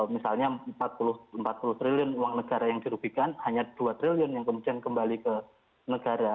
misalnya empat puluh triliun uang negara yang dirugikan hanya dua triliun yang kemudian kembali ke negara